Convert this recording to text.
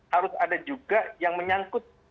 harus ada juga yang menyangkut